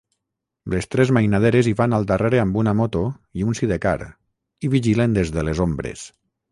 Les tres mainaderes hi van al darrere amb una moto i un sidecar i vigilen des de les ombres.